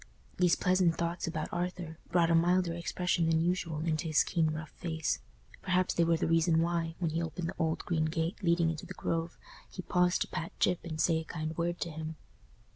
These pleasant thoughts about Arthur brought a milder expression than usual into his keen rough face: perhaps they were the reason why, when he opened the old green gate leading into the Grove, he paused to pat Gyp and say a kind word to him.